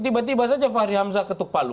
tiba tiba saja fahri hamzah ketuk palu